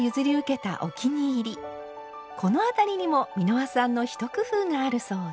この辺りにも美濃羽さんの一工夫があるそうで。